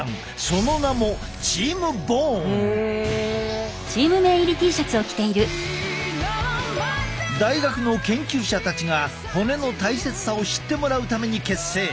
その名も大学の研究者たちが骨の大切さを知ってもらうために結成。